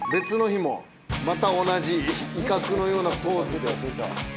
また同じ威嚇のようなポーズで。